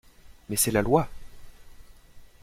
Mais c'est la Loi!